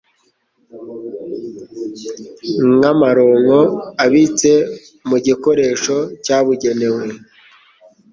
nk'amaronko abitse mu gikoresho cyabugenewe;